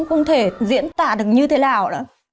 không thể diễn tả được như thế nào